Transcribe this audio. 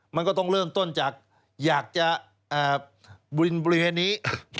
มันก็ต้องเริ่มต้นจากอยากจะบินบริเวณนี้